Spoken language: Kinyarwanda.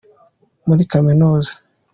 muri kaminuza.